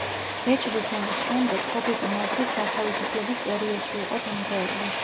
ბეჭდის ომის შემდეგ ჰობიტი მაზრის გათავისუფლების პერიოდში იყო დანგრეული.